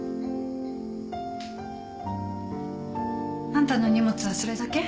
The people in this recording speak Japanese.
あんたの荷物はそれだけ？